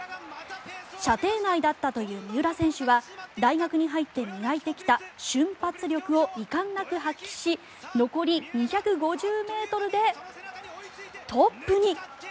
射程内だったという三浦選手は大学に入って磨いてきた瞬発力を遺憾なく発揮し残り２５０ｍでトップに。